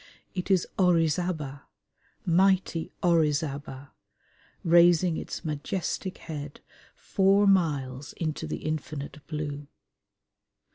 It is Orizaba, mighty Orizaba, raising its majestic head four miles into the infinite blue.